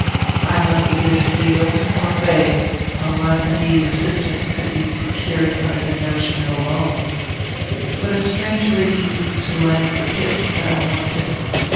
I must either steal or beg; unless, indeed, assistance could be procured under the notion of a loan. Would a stranger refuse to lend the pittance that I wanted?